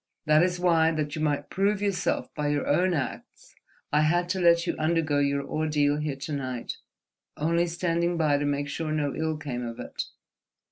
That is why, that you might prove yourself by your own acts, I had to let you undergo your ordeal here to night, only standing by to make sure no ill came of it.